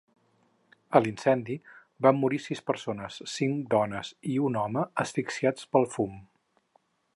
A l'incendi van morir sis persones, cinc dones i un home, asfixiats pel fum.